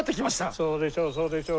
そうでしょうそうでしょう